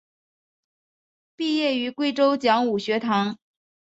毕业于贵州讲武学堂。